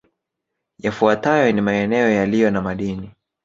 Yafuatayo ni maeneo yaliyo na madini